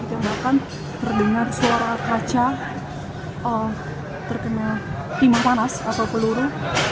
terdengar suara keraca terkena timah panas atau peluru